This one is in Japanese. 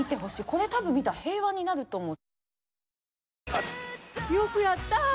海多分見たら平和になると思う。